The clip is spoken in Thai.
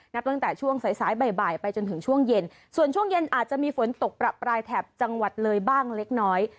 นับตั้งแต่ช่วงสายสายบ่ายไปจนถึงช่วงเย็นส่วนช่วงเย็นอาจจะมีฝนตกประปรายแถบจังหวัดเลยบ้างเล็กน้อย